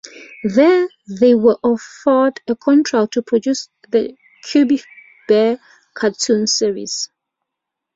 There, they were offered a contract to produce the Cubby Bear cartoon series.